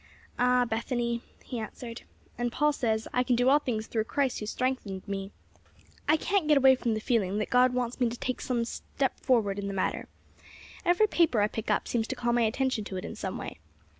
'" "Ah, Bethany," he answered, "and Paul says: 'I can do all things through Christ who strengthened me.' I can't get away from the feeling that God wants me to take some forward step in the matter. Every paper I pick up seems to call my attention to it in some way.